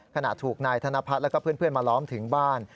ขณะถูกนายธนพัฒน์แล้วก็เพื่อนมาล้อมถึงบ้าน